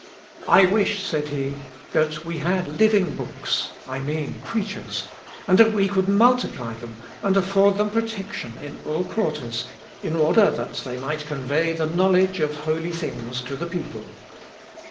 "I wish," said he, "that we had living books, I mean preachers, and that we could multiply them, and afford them protection in all quarters, in order that they might convey the knowledge of holy things to the people.